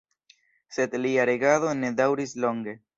Sed lia regado ne daŭris longe.